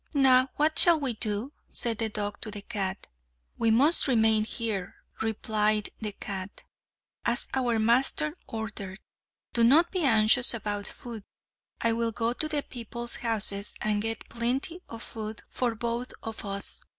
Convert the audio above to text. "Now what shall we do?" said the dog to the cat. "We must remain here," replied the cat, "as our master ordered. Do not be anxious about food. I will go to the people's houses and get plenty of food for both of us."